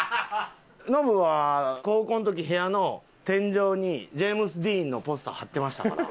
ノブは高校の時部屋の天井にジェームズ・ディーンのポスター貼ってましたから。